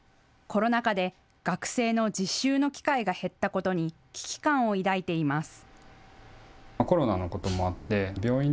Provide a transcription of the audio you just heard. コロナ禍で学生の実習の機会が減ったことに危機感を抱いています。